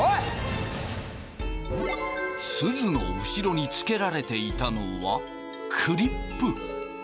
すずの後ろに付けられていたのはクリップ。